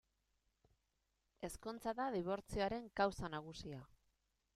Ezkontza da dibortzioaren kausa nagusia.